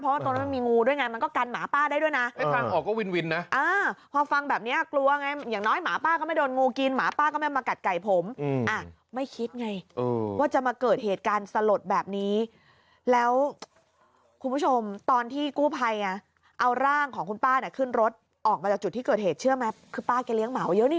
เพราะว่าตรงนั้นมันมีงูด้วยไงมันก็กันหมาป้าได้ด้วยนะไม่ฟังออกก็วินวินนะพอฟังแบบนี้กลัวไงอย่างน้อยหมาป้าก็ไม่โดนงูกินหมาป้าก็ไม่มากัดไก่ผมอ่ะไม่คิดไงว่าจะมาเกิดเหตุการณ์สลดแบบนี้แล้วคุณผู้ชมตอนที่กู้ภัยเอาร่างของคุณป้าน่ะขึ้นรถออกมาจากจุดที่เกิดเหตุเชื่อไหมคือป้าแกเลี้ยหมาเยอะนี่